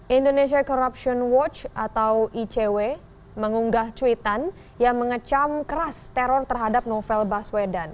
indonesia corruption watch atau icw mengunggah cuitan yang mengecam keras teror terhadap novel baswedan